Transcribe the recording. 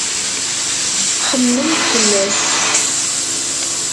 Xemmement fell-as.